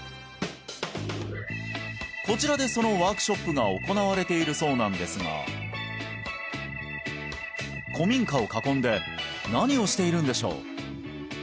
こちらでそのワークショップが行われているそうなんですが古民家を囲んで何をしているんでしょう？